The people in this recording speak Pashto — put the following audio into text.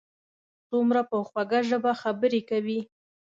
څومره په خوږه ژبه خبرې کوي.